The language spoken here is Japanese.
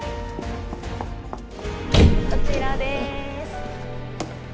こちらです。